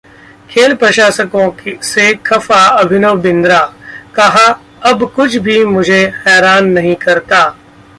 खेल प्रशासकों से खफा अभिनव बिंद्रा, कहा- अब कुछ भी मुझे हैरान नहीं करता